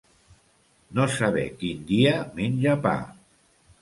No saber quin dia menja pa.